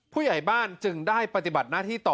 ผู้ใหญ่บ้านจึงได้ปฏิบัติหน้าที่ต่อ